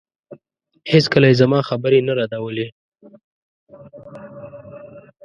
هېڅکله يې زما خبرې نه ردولې.